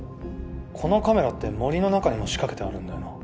このカメラって森の中にも仕掛けてあるんだよな？